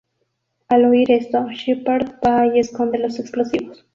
Al oír esto, Sheppard va y esconde los explosivos.